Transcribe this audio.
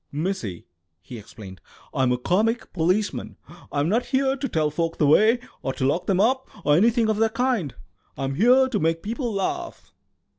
"Missy," he explained, "I'm a comic policeman. I'm not here to tell folk the way or to lock them up, or anything of that kind; I'm here to make people laugh."